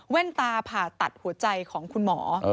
ตาผ่าตัดหัวใจของคุณหมอ